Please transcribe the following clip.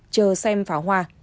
chờ xem pháo hoa